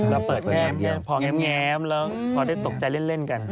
เราเปิดแง้มพอแง้มแล้วพอได้ตกใจเล่นกัน